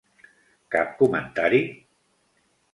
Cap comentari?